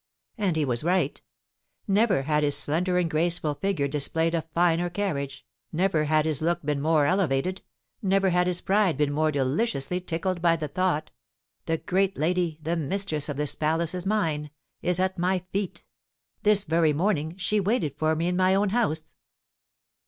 And he was right. Never had his slender and graceful figure displayed a finer carriage, never had his look been more elevated, never had his pride been more deliciously tickled by the thought, "The great lady the mistress of this palace is mine is at my feet! This very morning she waited for me in my own house!"